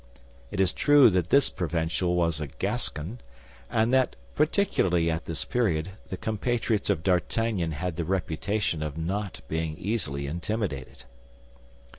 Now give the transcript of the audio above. It is true that this provincial was a Gascon; and that, particularly at this period, the compatriots of D'Artagnan had the reputation of not being easily intimidated.